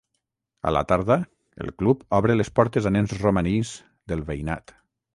A la tarda, el club obre les portes a nens romanís del veïnat.